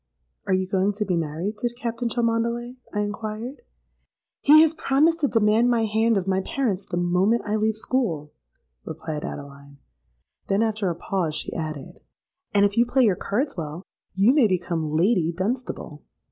'—'Are you going to be, married to Captain Cholmondeley?' I inquired.—'He has promised to demand my hand of my parents the moment I leave school,' replied Adeline: then after a pause, she added, 'And if you play your cards well, you may become Lady Dunstable.'